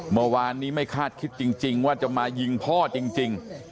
เมื่อวานนี้ไม่คาดคิดจริงว่าจะมายิงพ่อจริง